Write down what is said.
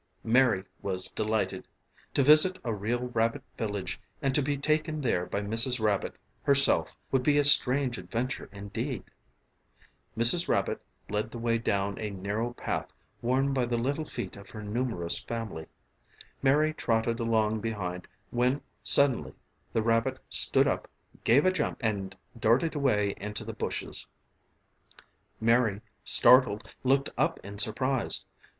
Mary was delighted. To visit a real rabbit village and to be taken there by Mrs. Rabbit, herself, would be a strange adventure, indeed. Mrs. Rabbit led the way down a narrow path worn by the little feet of her numerous family. Mary trotted along behind when suddenly the rabbit stood up, gave a jump and darted away into the bushes. Mary, startled, looked up in surprise.